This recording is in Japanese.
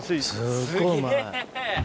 すごいうまい。